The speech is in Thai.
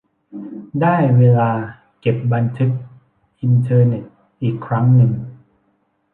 ได้เวลาเก็บบันทึกอินเทอร์เน็ตอีกครั้งนึง